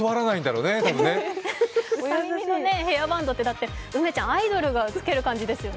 うさ耳のヘアバンドってアイドルがつける感じですよね。